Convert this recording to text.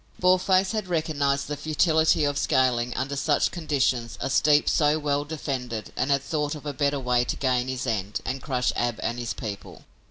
Boarface had recognized the futility of scaling, under such conditions, a steep so well defended and had thought of a better way to gain his end and crush Ab and his people.